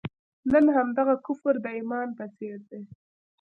نن همدغه کفر د ایمان په څېر دی.